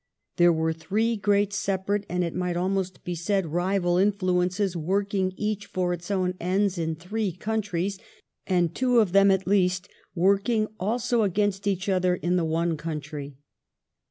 There were three great separate and it might almost be said rival influences working each for its own ends in three countries, and two of them at least working also against each other in the one country.